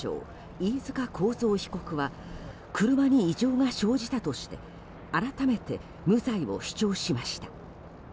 飯塚幸三被告は車に異常が生じたとして改めて無罪を主張しました。